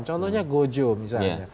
contohnya gojo misalnya